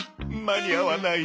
間に合わない。